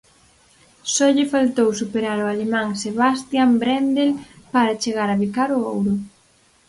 Só lle faltou superar ao alemán Sebastian Brendel para chegar a bicar o ouro.